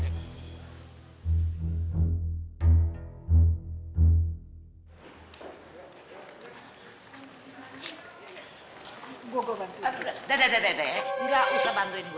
tidak apa apa situ strini